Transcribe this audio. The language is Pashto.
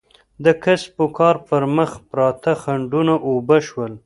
د کسب و کار پر مخ پراته خنډونه اوبه شول.